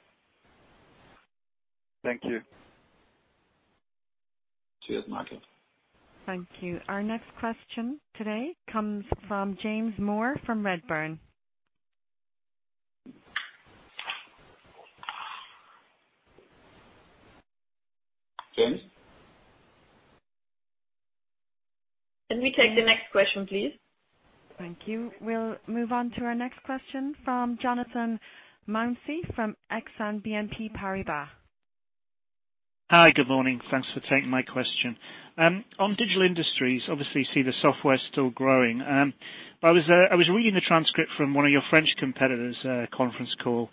Thank you. Cheers, Michael. Thank you. Our next question today comes from James Moore from Redburn. James? Can we take the next question, please? Thank you. We'll move on to our next question from Jonathan Mounsey from Exane BNP Paribas. Hi, good morning. Thanks for taking my question. On Digital Industries, obviously you see the software still growing. I was reading the transcript from one of your French competitors' conference call,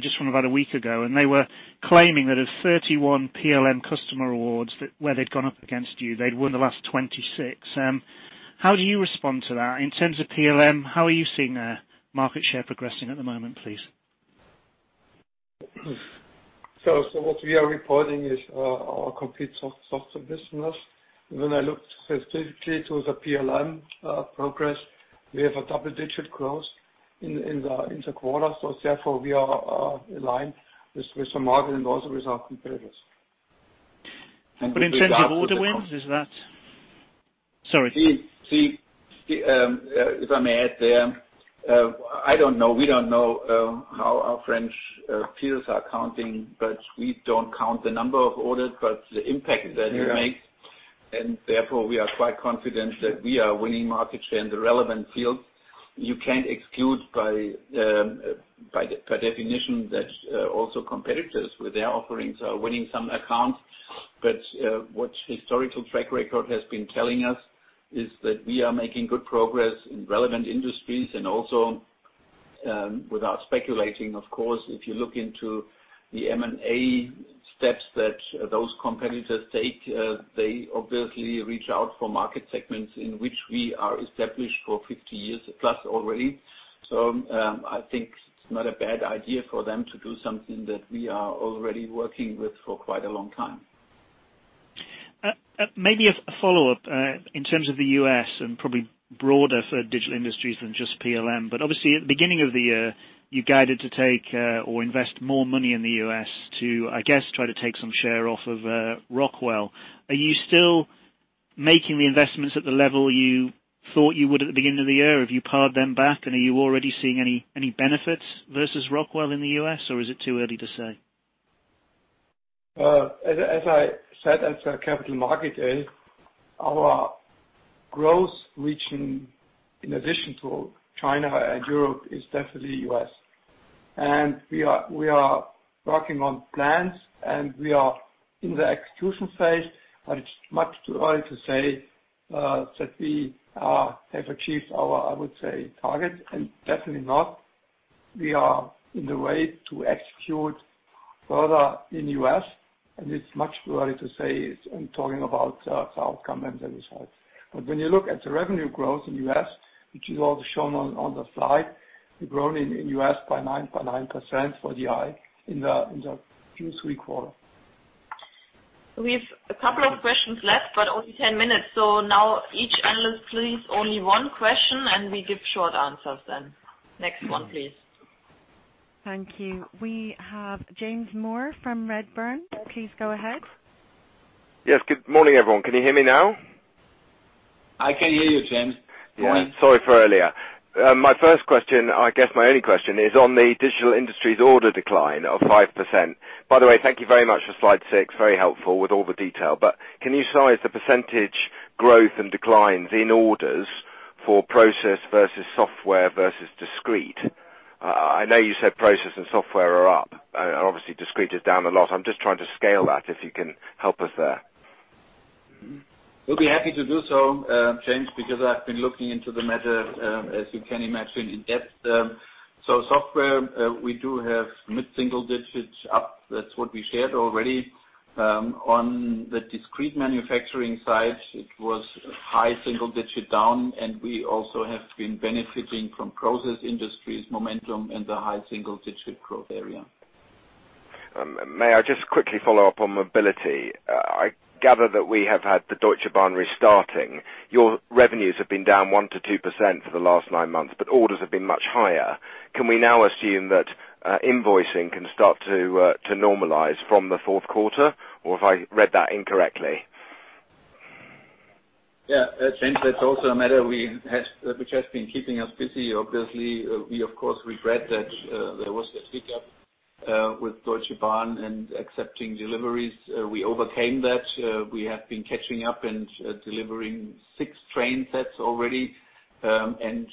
just from about a week ago, and they were claiming that of 31 PLM customer awards, where they'd gone up against you, they'd won the last 26. How do you respond to that? In terms of PLM, how are you seeing their market share progressing at the moment, please? What we are reporting is our complete software business. When I look specifically to the PLM progress, we have a double-digit growth in the quarter. Therefore, we are aligned with the market and also with our competitors. In terms of order wins, Sorry. If I may add there, I don't know, we don't know how our French peers are counting, but we don't count the number of orders, but the impact that it makes. Yeah. Therefore, we are quite confident that we are winning market share in the relevant fields. You can't exclude by definition that also competitors with their offerings are winning some accounts. What historical track record has been telling us is that we are making good progress in relevant industries and also without speculating, of course, if you look into the M&A steps that those competitors take, they obviously reach out for market segments in which we are established for 50 years plus already. I think it's not a bad idea for them to do something that we are already working with for quite a long time. Maybe a follow-up, in terms of the U.S. and probably broader for Digital Industries than just PLM, but obviously at the beginning of the year, you guided to take or invest more money in the U.S. to, I guess, try to take some share off of Rockwell. Are you still making the investments at the level you thought you would at the beginning of the year? Have you pared them back and are you already seeing any benefits versus Rockwell in the U.S. or is it too early to say? As I said at the Capital Market Day, our growth reaching in addition to China and Europe is definitely U.S. We are working on plans and we are in the execution phase, but it's much too early to say that we have achieved our, I would say, target and definitely not we are in the way to execute further in U.S. and it's much too early to say it in talking about the outcome and the results. When you look at the revenue growth in U.S., which is also shown on the slide, we've grown in U.S. by 9% for DI in the previous three quarters. We've a couple of questions left, but only 10 minutes. Now each analyst please only one question and we give short answers then. Next one, please. Thank you. We have James Moore from Redburn. Please go ahead. Yes, good morning, everyone. Can you hear me now? I can hear you, James. Go on. Yeah, sorry for earlier. My first question, I guess my only question is on the Digital Industries order decline of 5%. By the way, thank you very much for slide six, very helpful with all the detail. Can you size the percentage growth and declines in orders for Process versus software versus discrete? I know you said Process and software are up, obviously discrete is down a lot. I'm just trying to scale that if you can help us there. We'll be happy to do so, James, because I've been looking into the matter, as you can imagine, in depth. Software, we do have mid-single digits up. That's what we shared already. On the discrete manufacturing side, it was high single digit down, and we also have been benefiting from process industries momentum in the high single digit growth area. May I just quickly follow up on Mobility? I gather that we have had the Deutsche Bahn restarting. Your revenues have been down 1% to 2% for the last nine months, but orders have been much higher. Can we now assume that invoicing can start to normalize from the fourth quarter, or have I read that incorrectly? Yeah. James, that's also a matter which has been keeping us busy, obviously. We of course regret that there was a hiccup with Deutsche Bahn in accepting deliveries. We overcame that. We have been catching up and delivering six train sets already, and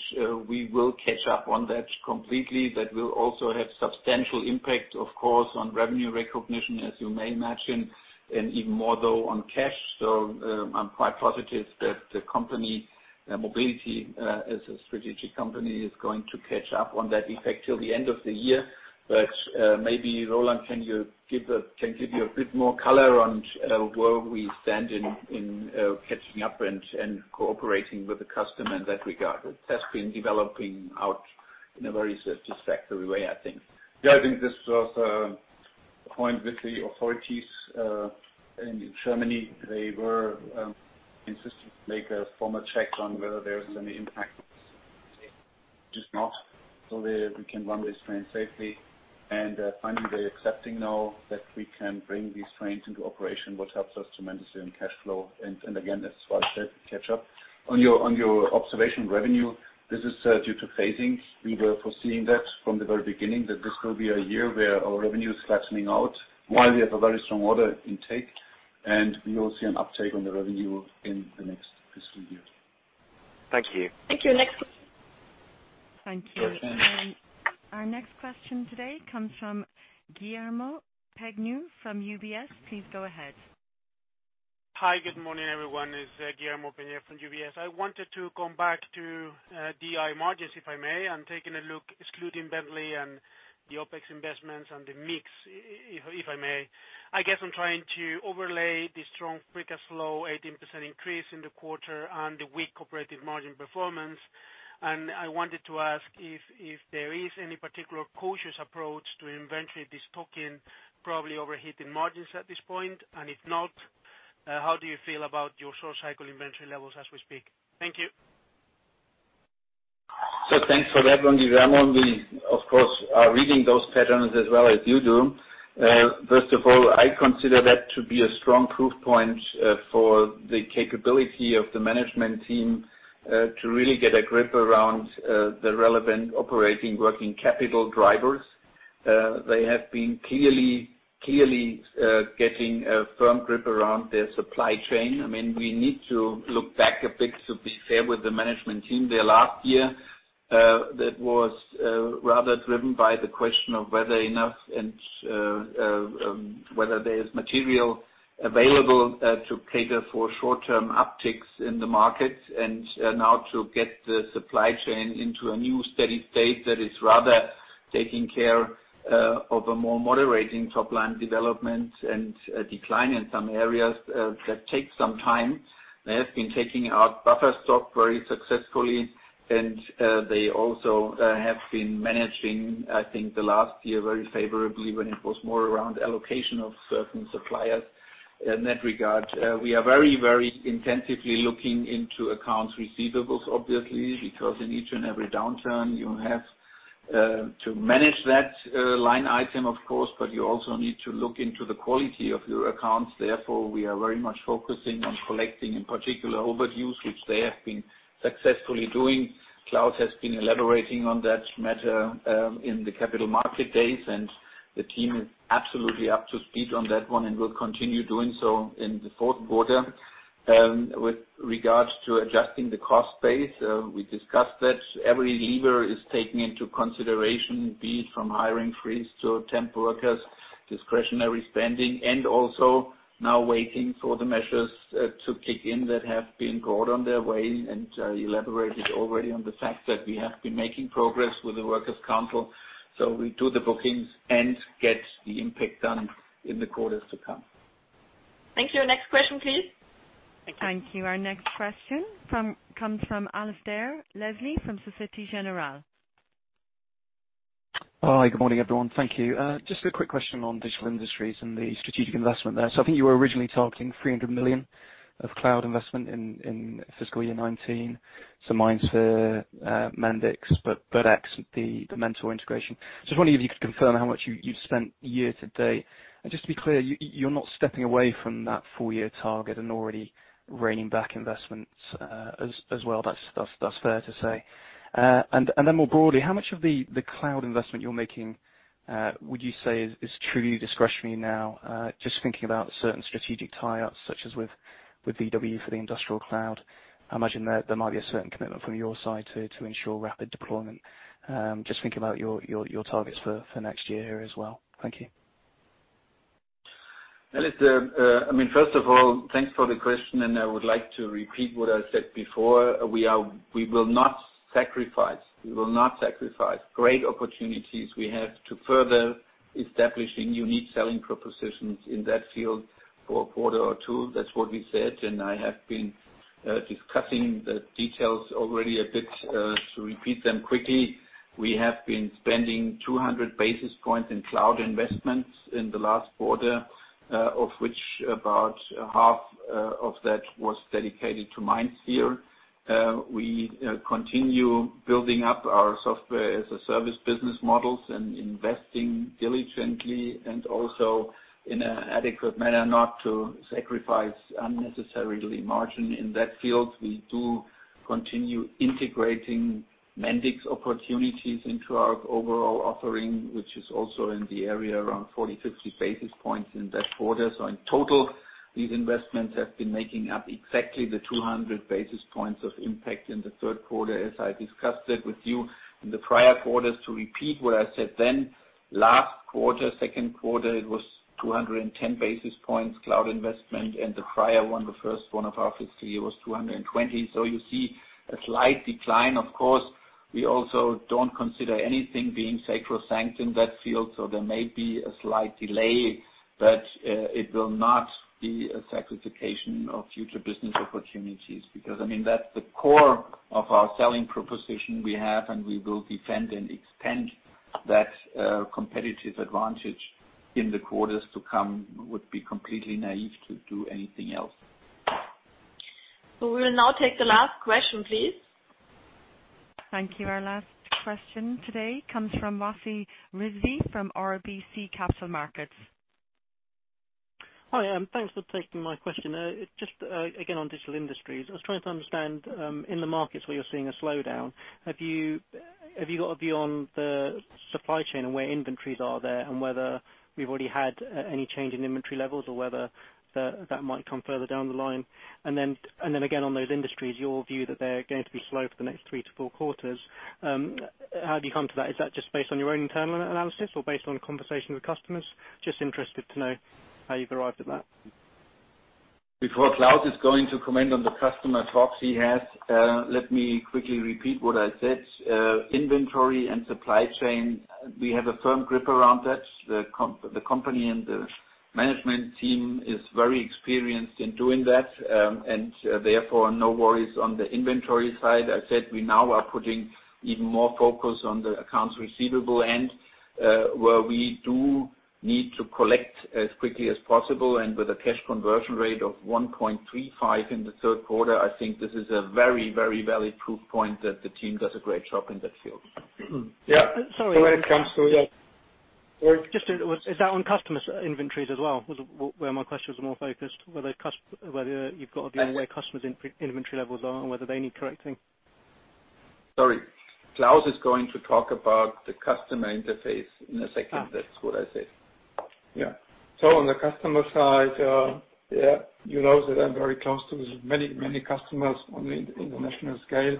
we will catch up on that completely. That will also have substantial impact, of course, on revenue recognition as you may imagine, and even more though on cash. I'm quite positive that the company Mobility as a strategic company is going to catch up on that effect till the end of the year. Maybe Roland, can give you a bit more color on where we stand in catching up and cooperating with the customer in that regard. It has been developing out in a very satisfactory way, I think. Yeah, I think this was a point with the authorities, in Germany. They were insistent to make a formal check on whether there's any impact, which is not, so we can run this train safely. Finally, they're accepting now that we can bring these trains into operation, which helps us tremendously on cash flow. Again, as Ralf said, catch up. On your observation revenue, this is due to phasing. We were foreseeing that from the very beginning, that this will be a year where our revenue is flattening out while we have a very strong order intake, and we will see an uptake on the revenue in the next fiscal year. Thank you. Thank you. Next. Thank you. You're welcome. Our next question today comes from Guillermo Peigneux Lojo from UBS. Please go ahead. Hi, good morning everyone. It's Guillermo Peigneux Lojo from UBS. I wanted to come back to DI margins, if I may. I'm taking a look excluding Bentley and the OPEX investments and the mix, if I may. I guess I'm trying to overlay the strong free cash flow 18% increase in the quarter and the weak operating margin performance, and I wanted to ask if there is any particular cautious approach to inventory this talking probably overheating margins at this point, and if not, how do you feel about your short cycle inventory levels as we speak? Thank you. Thanks for that, Guillermo. We of course are reading those patterns as well as you do. First of all, I consider that to be a strong proof point for the capability of the management team, to really get a grip around the relevant operating working capital drivers. They have been clearly getting a firm grip around their supply chain. I mean, we need to look back a bit to be fair with the management team there last year. That was rather driven by the question of whether there is material available to cater for short-term upticks in the market, and now to get the supply chain into a new steady state that is rather taking care of a more moderating top-line development and a decline in some areas that takes some time. They have been taking out buffer stock very successfully, and they also have been managing, I think, the last year very favorably when it was more around allocation of certain suppliers in that regard. We are very intensively looking into accounts receivables, obviously, because in each and every downturn you have to manage that line item, of course, but you also need to look into the quality of your accounts. Therefore, we are very much focusing on collecting, in particular, overdues, which they have been successfully doing. Klaus has been elaborating on that matter in the Capital Market Days, and the team is absolutely up to speed on that one and will continue doing so in the fourth quarter. With regards to adjusting the cost base, we discussed that every lever is taken into consideration, be it from hiring freeze to temp workers, discretionary spending, and also now waiting for the measures to kick in that have been brought on their way and elaborated already on the fact that we have been making progress with the workers' council. We do the bookings and get the impact done in the quarters to come. Thank you. Next question, please. Thank you. Our next question comes from Alasdair Leslie from Societe Generale. Hi. Good morning, everyone. Thank you. Just a quick question on Digital Industries and the strategic investment there. I think you were originally targeting 300 million of cloud investment in fiscal year 2019, MindSphere, Mendix, BirdX, the Mentor integration. I was wondering if you could confirm how much you've spent year to date. Just to be clear, you're not stepping away from that full year target and already reigning back investments as well, that's fair to say? More broadly, how much of the cloud investment you're making would you say is truly discretionary now? Thinking about certain strategic tie-ups, such as with VW for the industrial cloud. I imagine there might be a certain commitment from your side to ensure rapid deployment. Thinking about your targets for next year as well. Thank you. Alasdair, first of all, thanks for the question, and I would like to repeat what I said before. We will not sacrifice great opportunities we have to further establishing unique selling propositions in that field for a quarter or two. That's what we said, and I have been discussing the details already a bit. To repeat them quickly, we have been spending 200 basis points in cloud investments in the last quarter, of which about half of that was dedicated to MindSphere. We continue building up our software-as-a-service business models and investing diligently and also in an adequate manner not to sacrifice unnecessarily margin in that field. We do continue integrating Mendix opportunities into our overall offering, which is also in the area around 40, 50 basis points in that quarter. In total, these investments have been making up exactly the 200 basis points of impact in the third quarter, as I discussed it with you in the prior quarters. To repeat what I said then, last quarter, second quarter, it was 210 basis points cloud investment, and the prior one, the first one of our fiscal year was 220. You see a slight decline. Of course, we also don't consider anything being sacrosanct in that field, so there may be a slight delay, but it will not be a sacrifice of future business opportunities. That's the core of our selling proposition we have, and we will defend and extend that competitive advantage in the quarters to come. It would be completely naive to do anything else. We will now take the last question, please. Thank you. Our last question today comes from Wasi Rizvi from RBC Capital Markets. Hi, thanks for taking my question. Just again, on Digital Industries. I was trying to understand in the markets where you're seeing a slowdown, have you got a view on the supply chain and where inventories are there? Whether we've already had any change in inventory levels or whether that might come further down the line? Again, on those industries, your view that they're going to be slow for the next three to four quarters, how do you come to that? Is that just based on your own internal analysis or based on conversations with customers? Just interested to know how you've arrived at that. Before Klaus is going to comment on the customer talks he has, let me quickly repeat what I said. Inventory and supply chain, we have a firm grip around that. The company and the management team is very experienced in doing that, and therefore, no worries on the inventory side. I said we now are putting even more focus on the accounts receivable end, where we do need to collect as quickly as possible. With a cash conversion rate of 1.35 in the third quarter, I think this is a very valid proof point that the team does a great job in that field. Sorry. When it comes to the-- Is that on customers' inventories as well? Was where my question was more focused, whether you've got a view on where customers' inventory levels are and whether they need correcting. Sorry. Klaus is going to talk about the customer interface in a second. That's what I said. Yeah. On the customer side, you know that I'm very close to many customers on the international scale.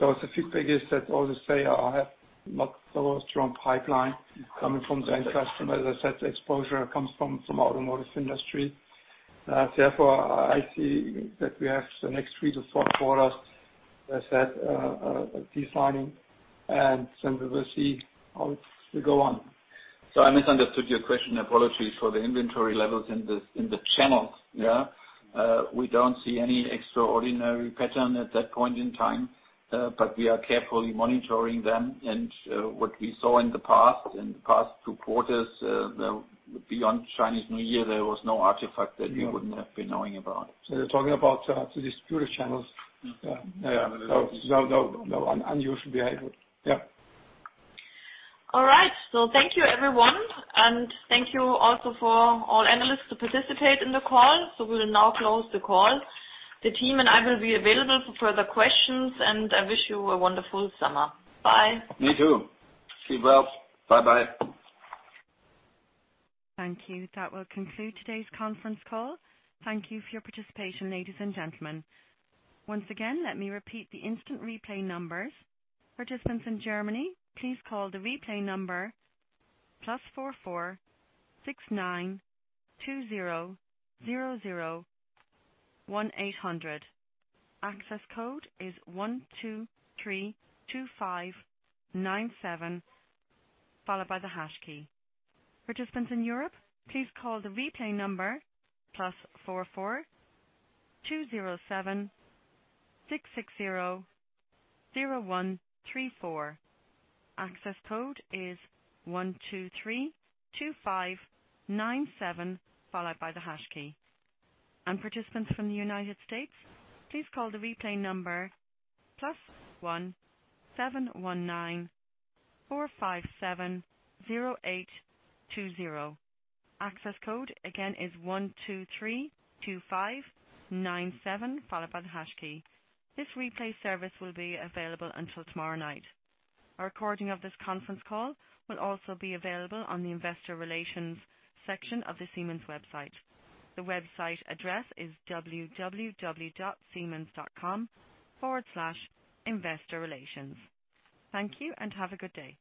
The feedback is that all say I have not the most strong pipeline coming from the end customer. As I said, the exposure comes from automotive industry. Therefore, I see that we have the next three to four quarters, as I said, declining, and then we will see how it will go on. I misunderstood your question, apologies. For the inventory levels in the channels Yeah We don't see any extraordinary pattern at that point in time. We are carefully monitoring them. What we saw in the past two quarters, beyond Chinese New Year, there was no artifact that we wouldn't have been knowing about. You're talking about the distributor channels? Yeah. No unusual behavior. Yeah. All right. Thank you everyone, and thank you also for all analysts who participate in the call. We'll now close the call. The team and I will be available for further questions, and I wish you a wonderful summer. Bye. You too. Be well. Bye-bye. Thank you. That will conclude today's conference call. Thank you for your participation, ladies and gentlemen. Once again, let me repeat the instant replay numbers. Participants in Germany, please call the replay number +446920001800. Access code is 1232597, followed by the hash key. Participants in Europe, please call the replay number +442076600134. Access code is 1232597, followed by the hash key. Participants from the United States, please call the replay number +17194570820. Access code again is 1232597, followed by the hash key. This replay service will be available until tomorrow night. A recording of this conference call will also be available on the investor relations section of the Siemens website. The website address is www.siemens.com/investorrelations. Thank you and have a good day.